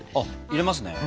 入れますね。